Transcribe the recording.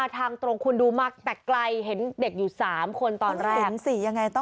ทางตรงคุณดูมากแต่ไกลเห็นเด็กอยู่๓คนตอนแรก